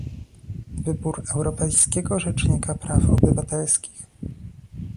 Wybór Europejskiego Rzecznika Praw Obywatelskich